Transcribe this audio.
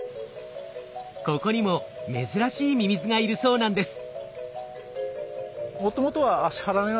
ここにも珍しいミミズがいるそうなんです。